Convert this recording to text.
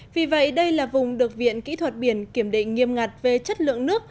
vì vậy đây là vùng được viện kỹ thuật biển kiểm định nghiêm ngặt về chất lượng nước